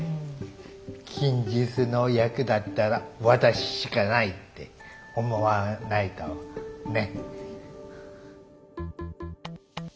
「筋ジスの役だったら私しかない」って思わないとね。